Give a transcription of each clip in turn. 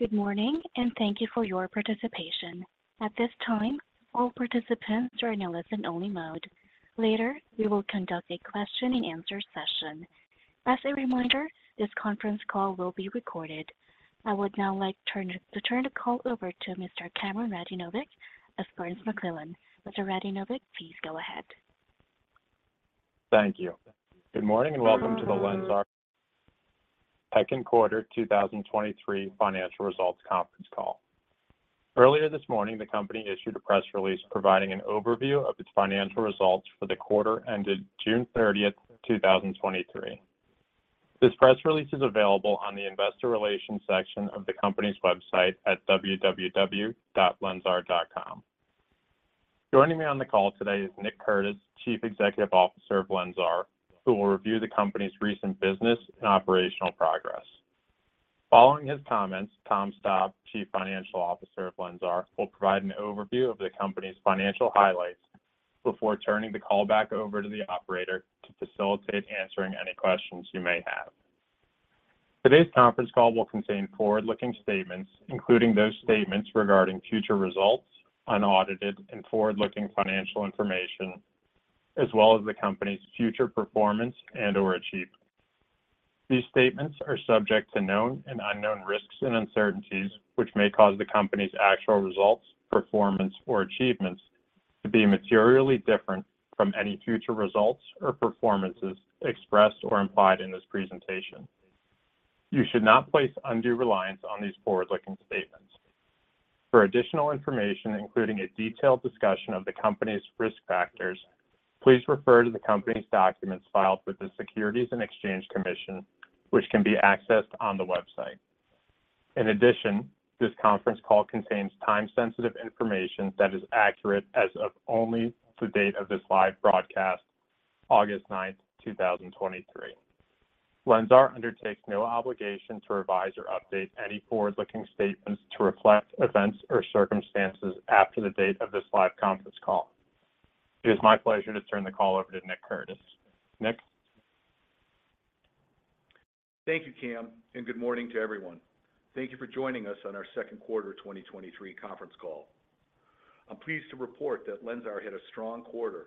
Good morning. Thank you for your participation. At this time, all participants are in a listen-only mode. Later, we will conduct a question-and-answer session. As a reminder, this conference call will be recorded. I would now like turn to turn the call over to Mr. Cameron Radinovic of Burns McClellan. Mr. Radinovic, please go ahead. Thank you. Good morning, and welcome to the LENSAR Second Quarter 2023 Financial Results Conference Call. Earlier this morning, the company issued a press release providing an overview of its financial results for the quarter ended June 30, 2023. This press release is available on the investor relations section of the company's website at www.lensar.com. Joining me on the call today is Nick Curtis, Chief Executive Officer of LENSAR, who will review the company's recent business and operational progress. Following his comments, Tom Staab, Chief Financial Officer of LENSAR, will provide an overview of the company's financial highlights before turning the call back over to the operator to facilitate answering any questions you may have. Today's conference call will contain forward-looking statements, including those statements regarding future results, unaudited and forward-looking financial information, as well as the company's future performance and or achievement. These statements are subject to known and unknown risks and uncertainties, which may cause the company's actual results, performance, or achievements to be materially different from any future results or performances expressed or implied in this presentation. You should not place undue reliance on these forward-looking statements. For additional information, including a detailed discussion of the company's risk factors, please refer to the company's documents filed with the Securities and Exchange Commission, which can be accessed on the website. In addition, this conference call contains time-sensitive information that is accurate as of only the date of this live broadcast, August 9th, 2023. LENSAR undertakes no obligation to revise or update any forward-looking statements to reflect events or circumstances after the date of this live conference call. It is my pleasure to turn the call over to Nick Curtis. Nick? Thank you, Cam, good morning to everyone. Thank you for joining us on our second quarter 2023 conference call. I'm pleased to report that LENSAR had a strong quarter,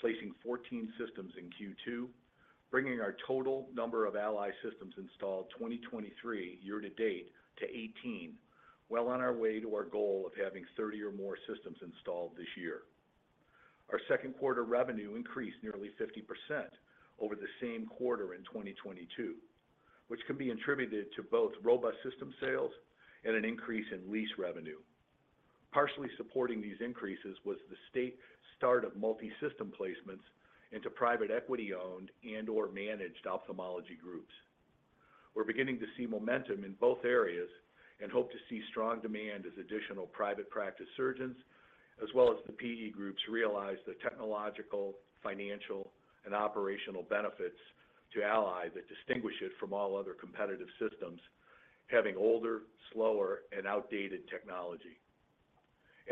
placing 14 systems in Q2, bringing our total number of ALLY systems installed 2023 year-to-date to 18. Well, on our way to our goal of having 30 or more systems installed this year. Our second quarter revenue increased nearly 50% over the same quarter in 2022, which can be attributed to both robust system sales and an increase in lease revenue. Partially supporting these increases was the state start of multi-system placements into private equity-owned and or managed ophthalmology groups. We're beginning to see momentum in both areas and hope to see strong demand as additional private practice surgeons, as well as the PE groups, realize the technological, financial, and operational benefits to ALLY that distinguish it from all other competitive systems, having older, slower, and outdated technology.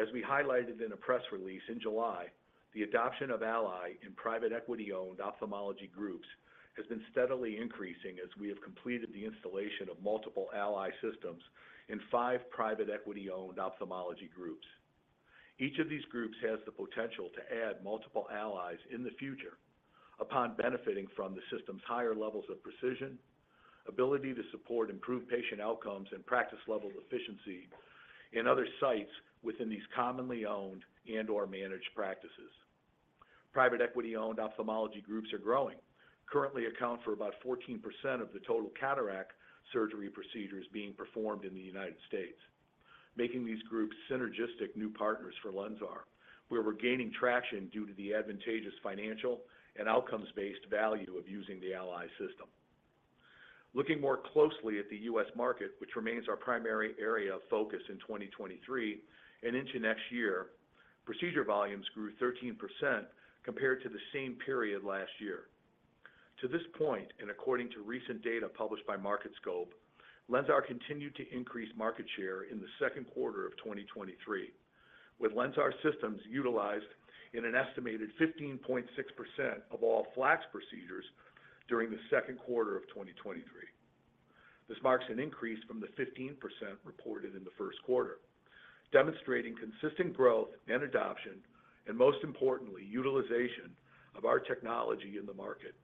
As we highlighted in a press release in July, the adoption of ALLY in private equity-owned ophthalmology groups has been steadily increasing as we have completed the installation of multiple ALLY systems in five private equity-owned ophthalmology groups. Each of these groups has the potential to add multiple ALLYs in the future upon benefiting from the system's higher levels of precision, ability to support improved patient outcomes and practice level efficiency in other sites within these commonly owned and or managed practices. Private equity-owned ophthalmology groups are growing, currently account for about 14% of the total cataract surgery procedures being performed in the United States, making these groups synergistic new partners for LENSAR, where we're gaining traction due to the advantageous financial and outcomes-based value of using the ALLY system. Looking more closely at the U.S. market, which remains our primary area of focus in 2023 and into next year, procedure volumes grew 13% compared to the same period last year. To this point, and according to recent data published by Market Scope, LENSAR continued to increase market share in the second quarter of 2023, with LENSAR systems utilized in an estimated 15.6% of all FLACS procedures during the second quarter of 2023. This marks an increase from the 15% reported in the 1st quarter, demonstrating consistent growth and adoption, and most importantly, utilization of our technology in the market.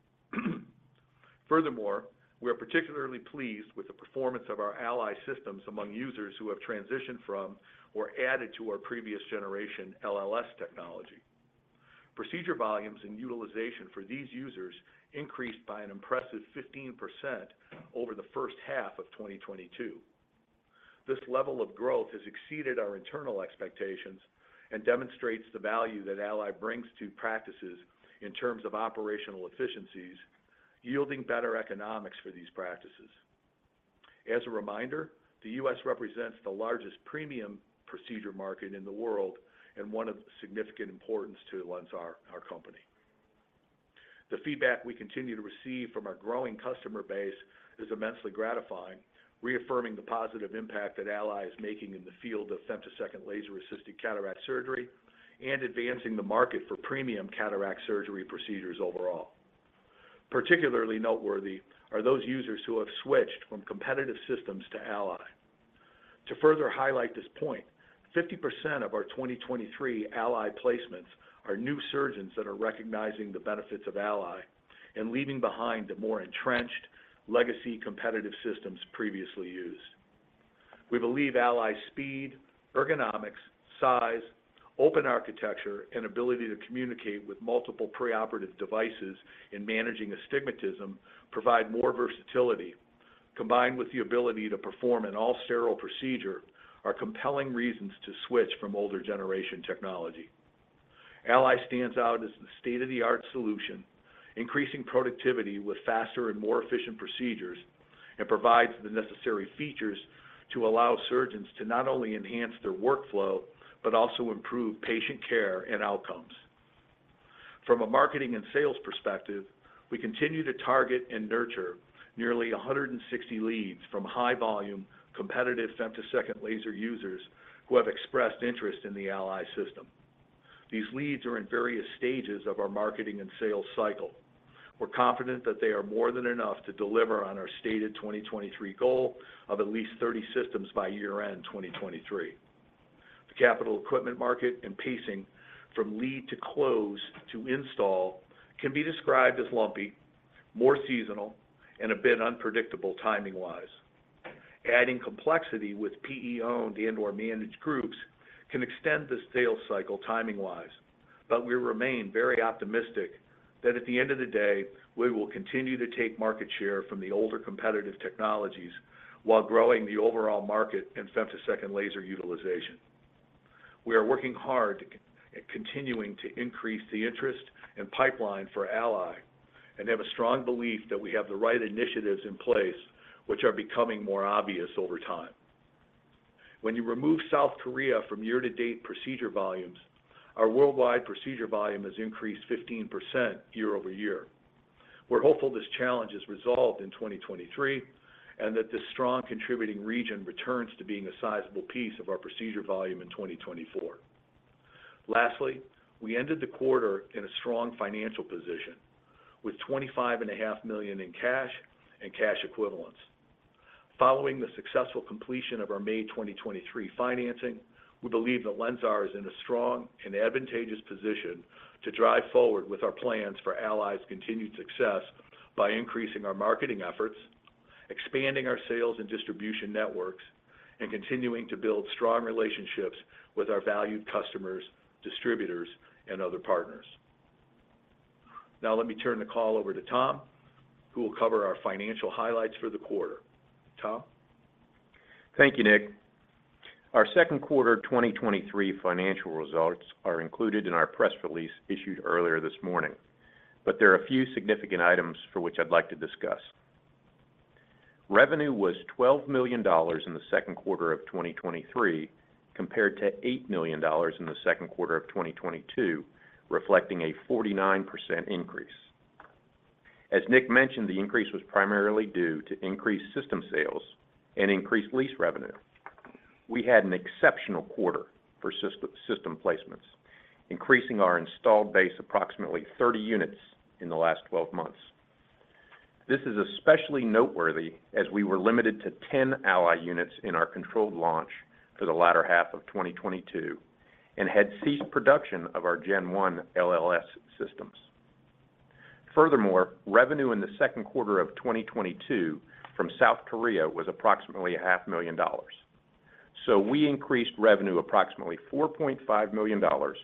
Furthermore, we are particularly pleased with the performance of our ALLY systems among users who have transitioned from or added to our previous generation LLS technology. Procedure volumes and utilization for these users increased by an impressive 15% over the 1st half of 2022. This level of growth has exceeded our internal expectations and demonstrates the value that ALLY brings to practices in terms of operational efficiencies, yielding better economics for these practices. As a reminder, the U.S. represents the largest premium procedure market in the world and one of significant importance to LENSAR, our company. The feedback we continue to receive from our growing customer base is immensely gratifying, reaffirming the positive impact that ALLY is making in the field of femtosecond laser-assisted cataract surgery and advancing the market for premium cataract surgery procedures overall. Particularly noteworthy are those users who have switched from competitive systems to ALLY. To further highlight this point, 50% of our 2023 ALLY placements are new surgeons that are recognizing the benefits of ALLY and leaving behind the more entrenched legacy competitive systems previously used. We believe ALLY's speed, ergonomics, size, open architecture, and ability to communicate with multiple preoperative devices in managing astigmatism, provide more versatility, combined with the ability to perform an all-sterile procedure, are compelling reasons to switch from older generation technology. ALLY stands out as the state-of-the-art solution, increasing productivity with faster and more efficient procedures, and provides the necessary features to allow surgeons to not only enhance their workflow, but also improve patient care and outcomes. From a marketing and sales perspective, we continue to target and nurture nearly 160 leads from high-volume, competitive femtosecond laser users who have expressed interest in the ALLY system. These leads are in various stages of our marketing and sales cycle. We're confident that they are more than enough to deliver on our stated 2023 goal of at least 30 systems by year-end, 2023. The capital equipment market and pacing from lead to close to install can be described as lumpy, more seasonal, and a bit unpredictable timing-wise. Adding complexity with PE-owned and or managed groups can extend the sales cycle timing-wise, but we remain very optimistic that at the end of the day, we will continue to take market share from the older competitive technologies while growing the overall market in femtosecond laser utilization. We are working hard to continuing to increase the interest and pipeline for ALLY, and have a strong belief that we have the right initiatives in place, which are becoming more obvious over time. When you remove South Korea from year-to-date procedure volumes, our worldwide procedure volume has increased 15% year-over-year. We're hopeful this challenge is resolved in 2023, and that this strong contributing region returns to being a sizable piece of our procedure volume in 2024. We ended the quarter in a strong financial position with $25.5 million in cash and cash equivalents. Following the successful completion of our May 2023 financing, we believe that LENSAR is in a strong and advantageous position to drive forward with our plans for ALLY's continued success by increasing our marketing efforts, expanding our sales and distribution networks, and continuing to build strong relationships with our valued customers, distributors, and other partners. Now, let me turn the call over to Tom, who will cover our financial highlights for the quarter. Tom? Thank you, Nick. Our second quarter 2023 financial results are included in our press release issued earlier this morning, there are a few significant items for which I'd like to discuss. Revenue was $12 million in the second quarter of 2023, compared to $8 million in the second quarter of 2022, reflecting a 49% increase. As Nick mentioned, the increase was primarily due to increased system sales and increased lease revenue. We had an exceptional quarter for system placements, increasing our installed base approximately 30 units in the last 12 months. This is especially noteworthy as we were limited to 10 ALLY units in our controlled launch for the latter half of 2022 and had ceased production of our Gen One LLS systems. Revenue in the second quarter of 2022 from South Korea was approximately $500,000. We increased revenue approximately $4.5 million, or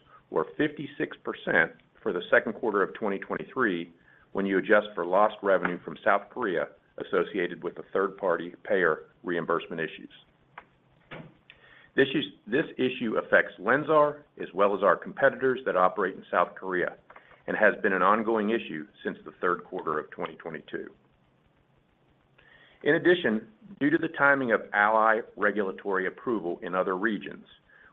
56%, for the second quarter of 2023, when you adjust for lost revenue from South Korea associated with the third-party payer reimbursement issues. This issue affects LENSAR, as well as our competitors that operate in South Korea, and has been an ongoing issue since the third quarter of 2022. In addition, due to the timing of ALLY regulatory approval in other regions,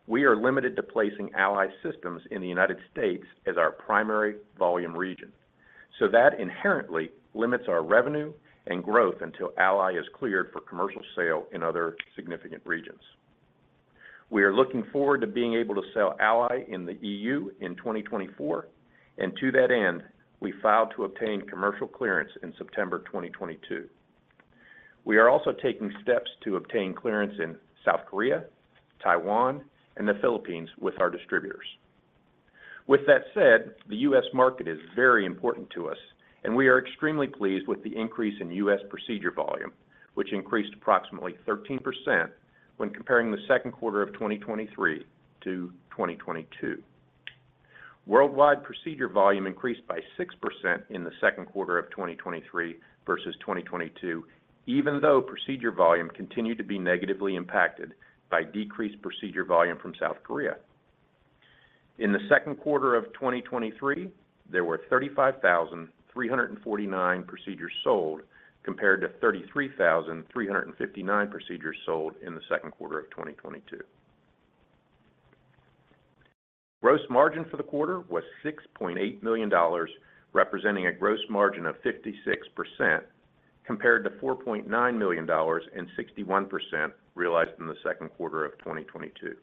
we are limited to placing ALLY systems in the United States as our primary volume region, so that inherently limits our revenue and growth until ALLY is cleared for commercial sale in other significant regions. We are looking forward to being able to sell ALLY in the EU in 2024, and to that end, we filed to obtain commercial clearance in September 2022. We are also taking steps to obtain clearance in South Korea, Taiwan, and the Philippines with our distributors. With that said, the US market is very important to us, and we are extremely pleased with the increase in US procedure volume, which increased approximately 13% when comparing the second quarter of 2023 to 2022. Worldwide procedure volume increased by 6% in the second quarter of 2023 versus 2022, even though procedure volume continued to be negatively impacted by decreased procedure volume from South Korea. In the second quarter of 2023, there were 35,349 procedures sold, compared to 33,359 procedures sold in the second quarter of 2022. Gross margin for the quarter was $6.8 million, representing a gross margin of 56%, compared to $4.9 million and 61% realized in the second quarter of 2022.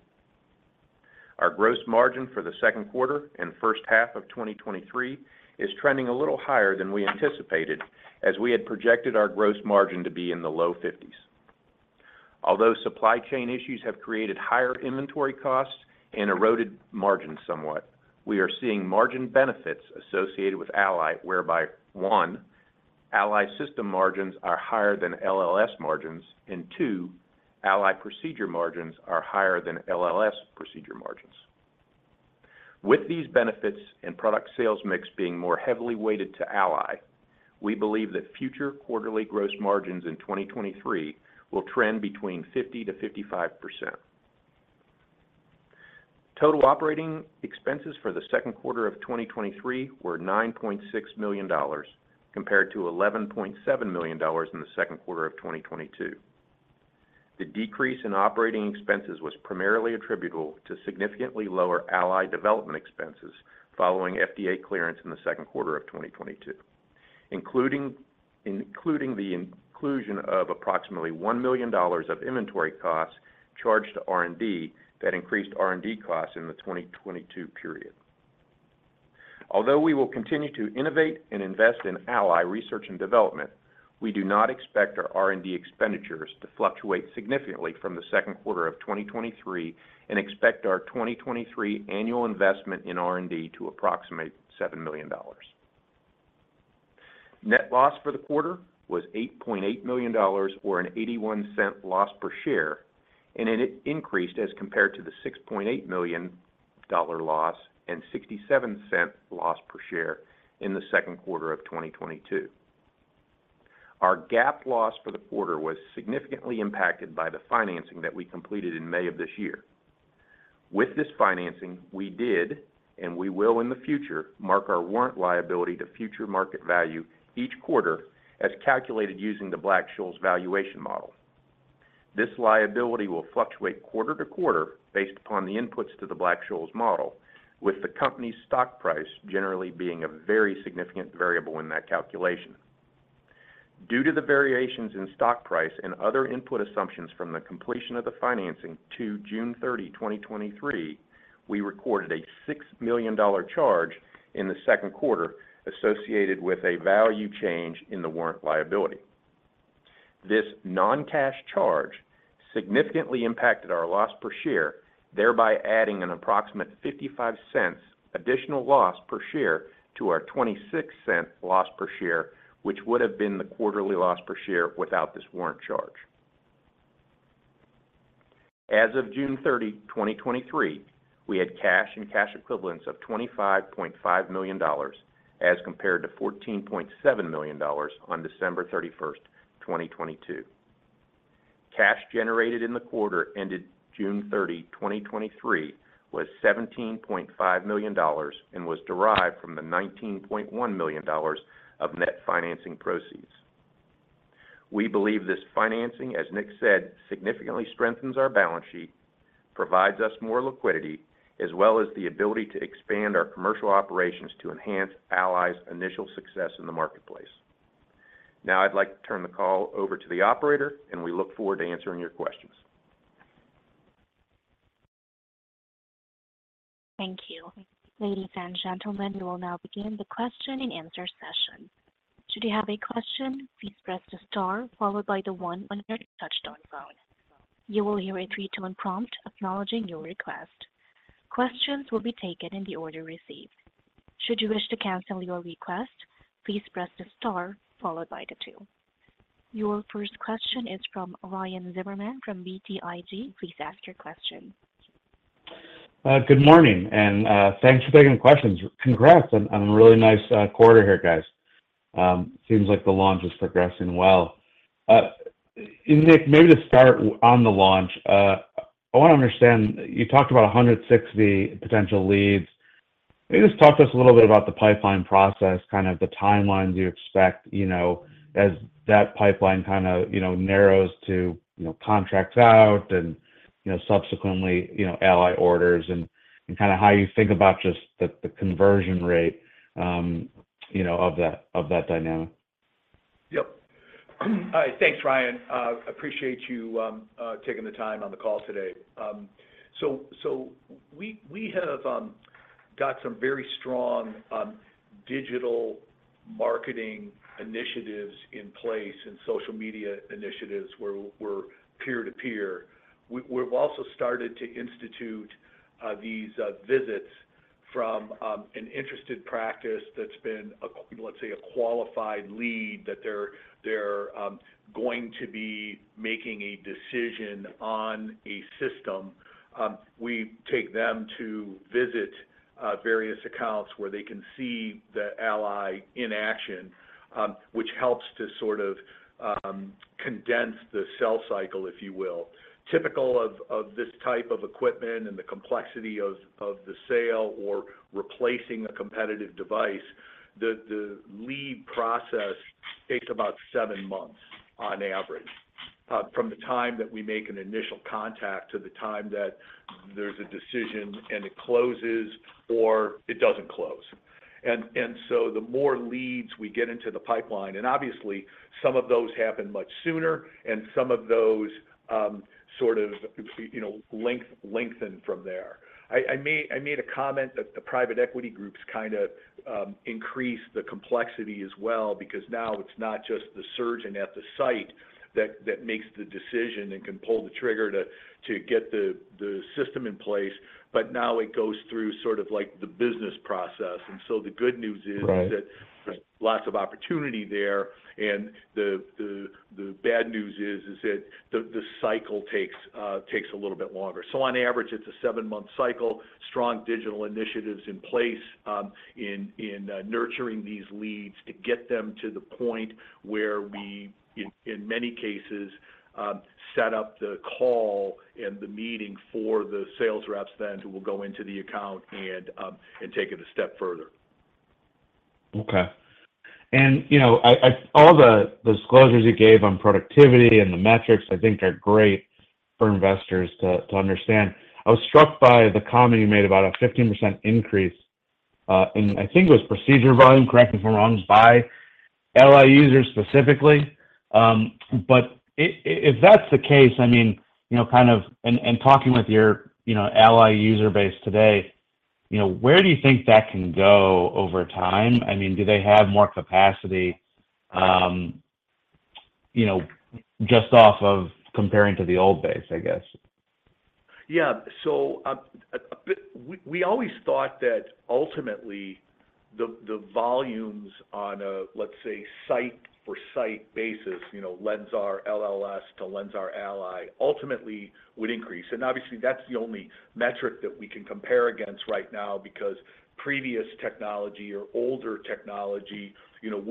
Our gross margin for the second quarter and first half of 2023 is trending a little higher than we anticipated, as we had projected our gross margin to be in the low 50s. Although supply chain issues have created higher inventory costs and eroded margins somewhat, we are seeing margin benefits associated with ALLY, whereby, one, ALLY system margins are higher than LLS margins, and two, ALLY procedure margins are higher than LLS procedure margins. With these benefits and product sales mix being more heavily weighted to ALLY, we believe that future quarterly gross margins in 2023 will trend between 50%-55%. Total operating expenses for the second quarter of 2023 were $9.6 million, compared to $11.7 million in the second quarter of 2022. The decrease in operating expenses was primarily attributable to significantly lower ALLY development expenses following FDA clearance in the second quarter of 2022, including the inclusion of approximately $1 million of inventory costs charged to R&D that increased R&D costs in the 2022 period. Although we will continue to innovate and invest in ALLY research and development, we do not expect our R&D expenditures to fluctuate significantly from the second quarter of 2023 and expect our 2023 annual investment in R&D to approximate $7 million. Net loss for the quarter was $8.8 million or an $0.81 loss per share. It increased as compared to the $6.8 million loss and $0.67 loss per share in the second quarter of 2022. Our GAAP loss for the quarter was significantly impacted by the financing that we completed in May of this year. With this financing, we did, and we will in the future, mark our warrant liability to future market value each quarter, as calculated using the Black-Scholes valuation model. This liability will fluctuate quarter to quarter based upon the inputs to the Black-Scholes model, with the company's stock price generally being a very significant variable in that calculation. Due to the variations in stock price and other input assumptions from the completion of the financing to June 30, 2023, we recorded a $6 million charge in the second quarter associated with a value change in the warrant liability. This non-cash charge significantly impacted our loss per share, thereby adding an approximate $0.55 additional loss per share to our $0.26 loss per share, which would have been the quarterly loss per share without this warrant charge. As of June 30, 2023, we had cash and cash equivalents of $25.5 million, as compared to $14.7 million on December 31, 2022. Cash generated in the quarter ended June 30, 2023, was $17.5 million and was derived from the $19.1 million of net financing proceeds. We believe this financing, as Nick said, significantly strengthens our balance sheet, provides us more liquidity, as well as the ability to expand our commercial operations to enhance ALLY's initial success in the marketplace. Now I'd like to turn the call over to the operator, and we look forward to answering your questions. Thank you. Ladies and gentlemen, we will now begin the question-and-answer session. Should you have a question, please press the star followed by the one on your touchtone phone. You will hear a three-tone prompt acknowledging your request. Questions will be taken in the order received. Should you wish to cancel your request, please press the star followed by the two. Your first question is from Ryan Zimmerman from BTIG. Please ask your question. Good morning, and thanks for taking the questions. Congrats on, on a really nice quarter here, guys. Seems like the launch is progressing well. Nick, maybe to start on the launch, I want to understand, you talked about 160 potential leads. Maybe just talk to us a little bit about the pipeline process, kind of the timelines you expect, you know, as that pipeline kind of, you know, narrows to, you know, contracts out and, you know, subsequently, you know, ALLY orders and, and kind of how you think about just the, the conversion rate, you know, of that, of that dynamic. Yep. Thanks, Ryan. Appreciate you taking the time on the call today. So we, we have got some very strong digital marketing initiatives in place and social media initiatives where we're peer-to-peer. We've also started to institute these visits from an interested practice that's been a let's say, a qualified lead, that they're, they're going to be making a decision on a system. We take them to visit various accounts where they can see the ALLY in action, which helps to sort of condense the sales cycle, if you will. Typical of, of this type of equipment and the complexity of, of the sale or replacing a competitive device, the, the lead process takes about 7 months on average, from the time that we make an initial contact to the time that there's a decision and it closes or it doesn't close. The more leads we get into the pipeline, and obviously, some of those happen much sooner, and some of those, sort of, you know, lengthen from there. I, I made, I made a comment that the private equity groups kind of, increase the complexity as well, because now it's not just the surgeon at the site that, that makes the decision and can pull the trigger to, to get the, the system in place, but now it goes through sort of like the business process. The good news is. Right... that there's lots of opportunity there, and the bad news is that the cycle takes, takes a little bit longer. On average, it's a 7-month cycle, strong digital initiatives in place, nurturing these leads to get them to the point where we, in many cases, set up the call and the meeting for the sales reps then, who will go into the account and take it a step further. Okay. You know, all the, the disclosures you gave on productivity and the metrics, I think are great for investors to, to understand. I was struck by the comment you made about a 15% increase in, I think it was procedure volume, correct me if I'm wrong, by ALLY users specifically. If that's the case, I mean, you know, kind of and talking with your, you know, ALLY user base today, you know, where do you think that can go over time? I mean, do they have more capacity, you know, just off of comparing to the old base, I guess? Yeah. We, we always thought that ultimately, the, the volumes on a, let's say, site-for-site basis, you know, LENSAR, LLS to LENSAR ALLY, ultimately would increase. Obviously, that's the only metric that we can compare against right now because previous technology or older technology, you know,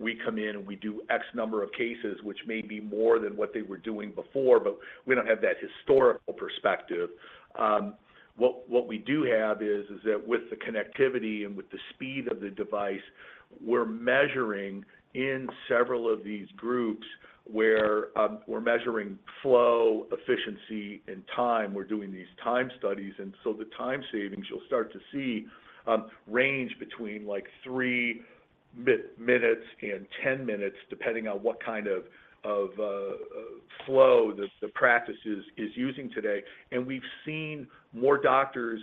we come in, and we do X number of cases, which may be more than what they were doing before, but we don't have that historical perspective. What we do have is that with the connectivity and with the speed of the device, we're measuring in several of these groups where we're measuring flow, efficiency, and time. We're doing these time studies, and so the time savings you'll start to see, range between, like, 3 minutes and 10 minutes, depending on what kind of, of, flow the, the practices is using today. We've seen more doctors,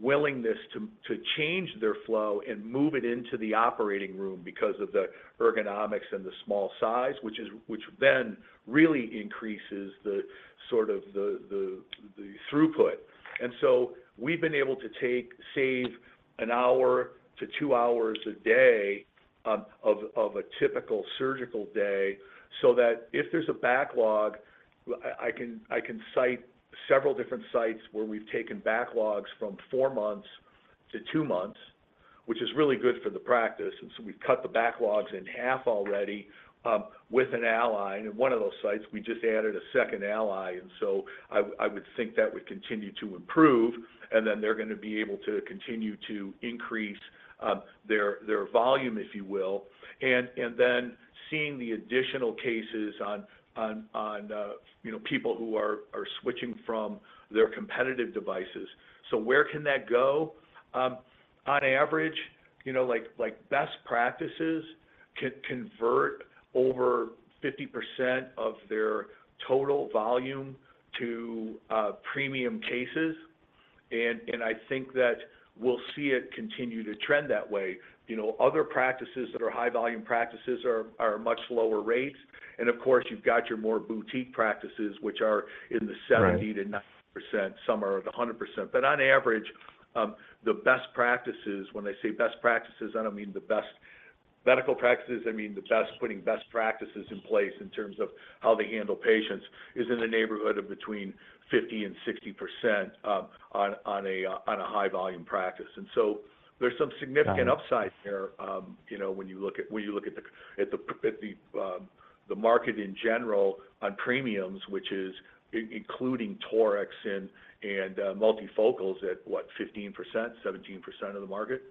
willingness to, to change their flow and move it into the operating room because of the ergonomics and the small size, which then really increases the sort of the, the, the throughput. We've been able to save an hour to 2 hours a day, of, of a typical surgical day, so that if there's a backlog, I can, I can cite several different sites where we've taken backlogs from 4 months to 2 months, which is really good for the practice. We've cut the backlogs in half already, with an ALLY. In one of those sites, we just added a second ALLY, and so I, I would think that would continue to improve, and then they're going to be able to continue to increase their, their volume, if you will. Then seeing the additional cases on, on, on, you know, people who are, are switching from their competitive devices. Where can that go? On average, you know, like, like, best practices can convert over 50% of their total volume to premium cases, and, and I think that we'll see it continue to trend that way. You know, other practices that are high volume practices are, are much lower rates. Of course, you've got your more boutique practices, which are in the 70- Right... to 90%, some are at 100%. On average, the best practices, when I say best practices, I don't mean the best medical practices, I mean the best putting best practices in place in terms of how they handle patients, is in the neighborhood of between 50% and 60%, on, on a, on a high volume practice. So there's some significant- Got it.... upside there, you know, when you look at, when you look at the, at the, at the, the market in general on premiums, which is including toric and, and, multifocals at what? 15%, 17% of the market.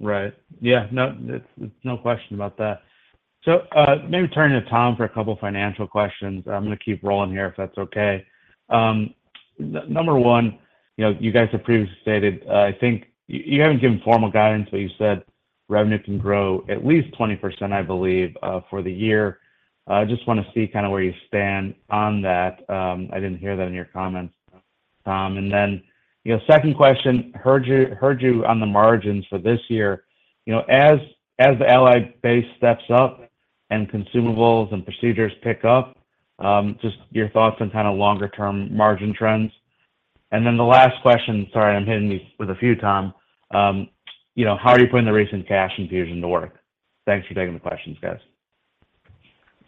Right. Right. Yeah, no, it's, it's no question about that. Maybe turning to Tom for a couple of financial questions. I'm going to keep rolling here, if that's okay. Number one, you know, you guys have previously stated, I think you, you haven't given formal guidance, but you said revenue can grow at least 20%, I believe, for the year. I just want to see kind of where you stand on that. I didn't hear that in your comments, Tom. Second question, you know, heard you, heard you on the margins for this year. You know, as, as the ALLY base steps up and consumables and procedures pick up, just your thoughts on kind of longer-term margin trends. The last question, sorry, I'm hitting you with a few, Tom, you know, how are you putting the recent cash infusion to work? Thanks for taking the questions, guys.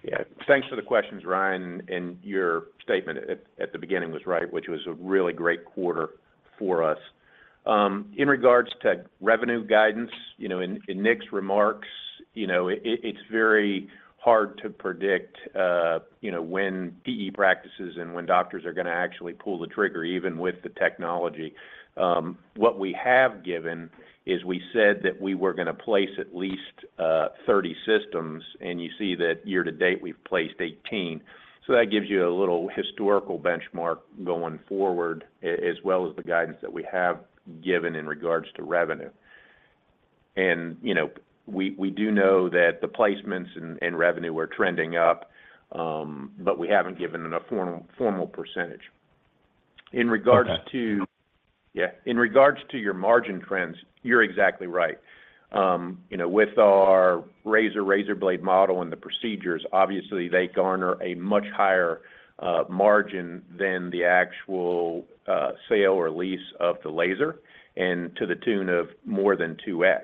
Yeah. Thanks for the questions, Ryan, and your statement at, at the beginning was right, which was a really great quarter for us. In regard to revenue guidance, you know, in, in Nick's remarks, you know, it, it's very hard to predict, you know, when PE practices and when doctors are going to actually pull the trigger, even with the technology. What we have given is we said that we were gonna place at least 30 systems, and you see that year-to-date, we've placed 18. That gives you a little historical benchmark going forward, as well as the guidance that we have given in regards to revenue. You know, we, we do know that the placements and, and revenue are trending up, but we haven't given it a formal, formal percentage. In regards to- Okay. Yeah, in regards to your margin trends, you're exactly right. You know, with our razor, razor blade model and the procedures, obviously, they garner a much higher margin than the actual sale or lease of the laser, and to the tune of more than 2x.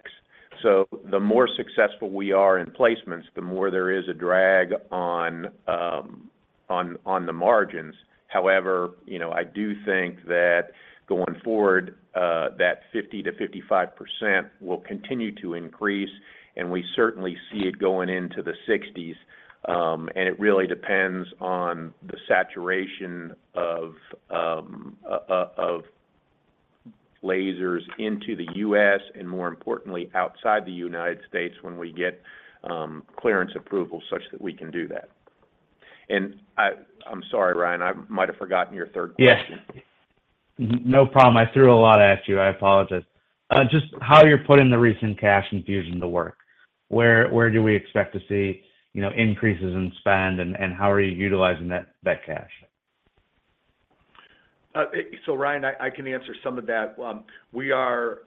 The more successful we are in placements, the more there is a drag on the margins. However, you know, I do think that going forward, that 50%-55% will continue to increase, and we certainly see it going into the 60s. It really depends on the saturation of lasers into the U.S., and more importantly, outside the United States, when we get clearance approval such that we can do that. I'm sorry, Ryan, I might have forgotten your third question. Yes. No problem. I threw a lot at you, I apologize. Just how you're putting the recent cash infusion to work? Where, where do we expect to see, you know, increases in spend, and, and how are you utilizing that, that cash? So Ryan, I, I can answer some of that. We are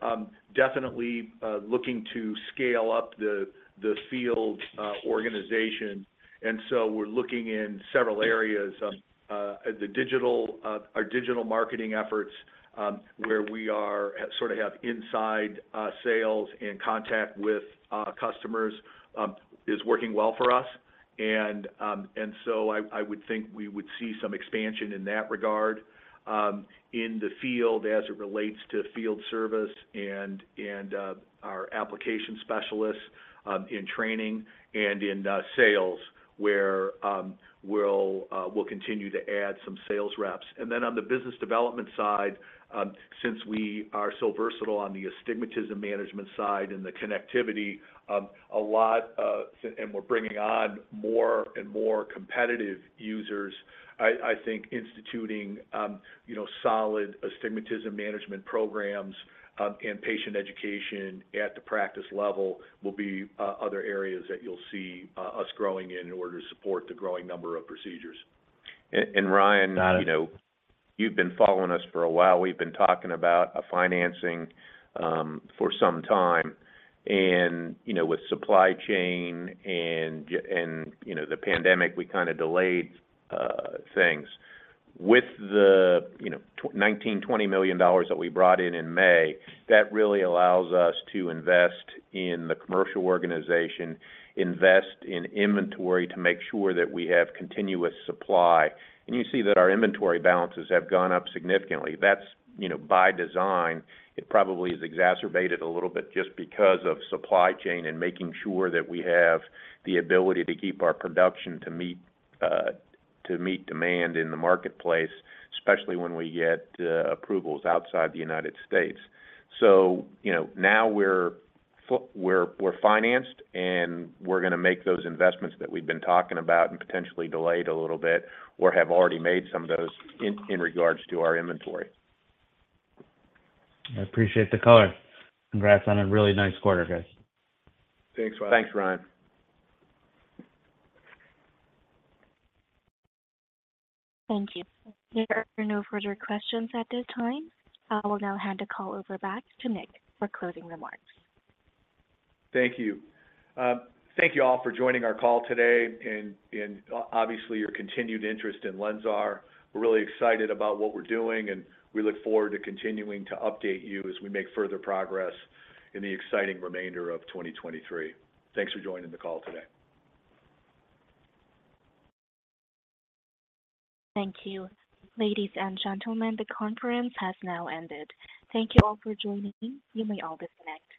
definitely looking to scale up the field organization, so we're looking in several areas. The digital, our digital marketing efforts, where we sort of have inside sales and contact with customers, is working well for us. So I, I would think we would see some expansion in that regard, in the field as it relates to field service and our application specialists, in training and in sales, where we'll continue to add some sales reps. Then on the business development side, since we are so versatile on the astigmatism management side and the connectivity, a lot, and we're bringing on more and more competitive users, I, I think instituting, you know, solid astigmatism management programs, and patient education at the practice level will be other areas that you'll see us growing in, in order to support the growing number of procedures. Ryan- Got it. You know, you've been following us for a while. We've been talking about a financing for some time. You know, with supply chain and, you know, the pandemic, we kinda delayed things. With the, you know, $19 million-$20 million that we brought in in May, that really allows us to invest in the commercial organization, invest in inventory to make sure that we have continuous supply. You see that our inventory balances have gone up significantly. That's, you know, by design, it probably has exacerbated a little bit just because of supply chain and making sure that we have the ability to keep our production to meet demand in the marketplace, especially when we get approvals outside the United States. You know, now we're financed, and we're gonna make those investments that we've been talking about and potentially delayed a little bit, or have already made some of those in, in regard to our inventory. I appreciate the color. Congrats on a really nice quarter, guys. Thanks, Ryan. Thanks, Ryan. Thank you. There are no further questions at this time. I will now hand the call over back to Nick for closing remarks. Thank you. Thank you all for joining our call today, obviously, your continued interest in LENSAR. We're really excited about what we're doing, and we look forward to continuing to update you as we make further progress in the exciting remainder of 2023. Thanks for joining the call today. Thank you. Ladies and gentlemen, the conference has now ended. Thank you all for joining. You may all disconnect.